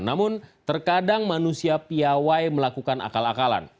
namun terkadang manusia piawai melakukan akal akalan